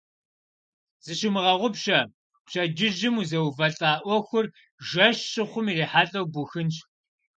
Зыщумыгъэгъупщэ: пщэдджыжьым узэувалӀэ Ӏуэхур жэщ щыхъум ирихьэлӀэу бухынщ.